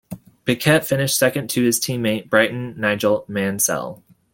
Piquet finished second to his teammate, Briton Nigel Mansell.